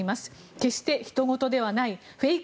決してひと事ではないフェイク